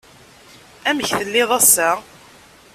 Amek tellid ass-a?